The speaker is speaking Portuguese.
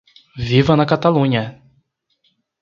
Viva na Catalunha!